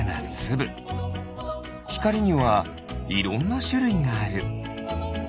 ひかりにはいろんなしゅるいがある。